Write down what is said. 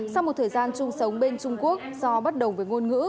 sau một thời gian chung sống bên trung quốc do bất đồng với ngôn ngữ